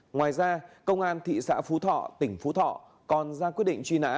ngoài ra công an thị xã phú thọ tỉnh phú thọ còn ra quyết định truy nã